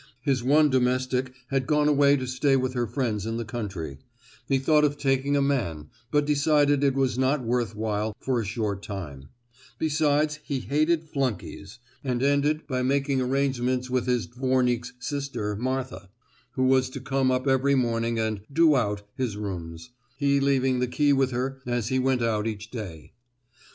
His one domestic had gone away to stay with her friends in the country; he thought of taking a man, but decided that it was not worth while for a short time; besides he hated flunkeys, and ended by making arrangements with his dvornik's sister Martha, who was to come up every morning and "do out" his rooms, he leaving the key with her as he went out each day.